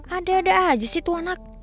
ada ada aja sih itu anak